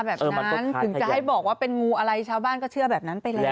แบบนั้นถึงจะให้บอกว่าเป็นงูอะไรชาวบ้านก็เชื่อแบบนั้นไปแล้ว